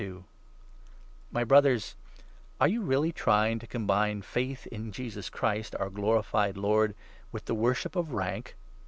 on the My Brothers, are you really trying to combine Treatment faith in Jesus Christ, our glorified Lord, with the ^£J£* worship of rank